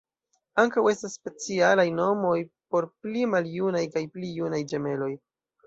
Ankaŭ estas specialaj nomoj por pli maljunaj kaj pli junaj ĝemeloj.